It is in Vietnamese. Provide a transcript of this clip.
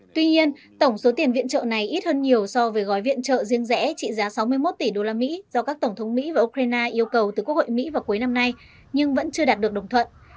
tuy nhiên tổng số tiền viện trợ này ít hơn nhiều so với gói viện trợ riêng rẽ trị giá sáu mươi một tỷ usd do các tổng thống mỹ và ukraine yêu cầu từ quốc hội mỹ vào cuối năm nay nhưng vẫn chưa đạt được đồng thuận